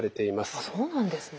あっそうなんですね。